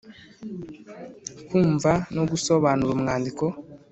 Kumva no gusobanura umwandiko.